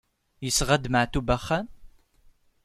Yesɣa-d Maɛṭub axxam?